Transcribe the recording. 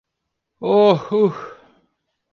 Oh, uh…